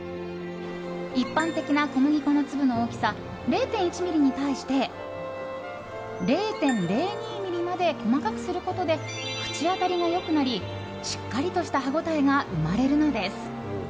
一般的な小麦粉の粒の大きさ０．１ｍｍに対して０．０２ｍｍまで細かくすることで口当たりが良くなりしっかりとした歯応えが生まれるのです。